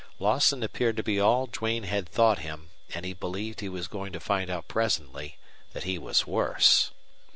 Lawson appeared to be all Duane had thought him, and he believed he was going to find out presently that he was worse.